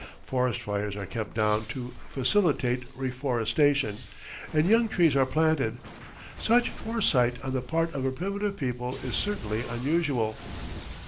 Forest fires are kept down to facilitate reforestation, and young trees are planted. Such foresight on the part of a primitive people is certainly unusual.